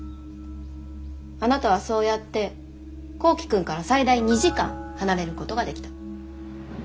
あなたはそうやって幸希くんから最大２時間離れることができた。